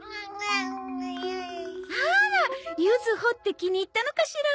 あら！ゆずほって気に入ったのかしら？